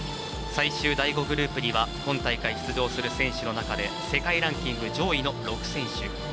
最終、第５グループには今大会出場する選手の中で世界ランキング上位の６選手。